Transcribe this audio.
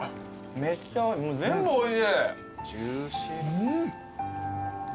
めっちゃもう全部おいしい。